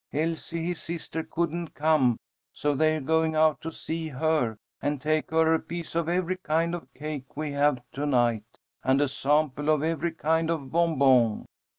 Elsie, his sister, couldn't come, so they're going out to see her, and take her a piece of every kind of cake we have to night, and a sample of every kind of bonbon.